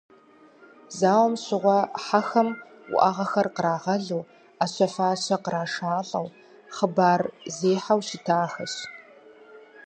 Зауэм щыгъуэ хьэхэм уӏэгъэхэр кърагъэлу, ӏэщэ-фащэ кърашалӏэу, хъыбар зехьэу щытахэщ.